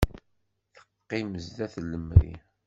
Teqqim sdat lemri.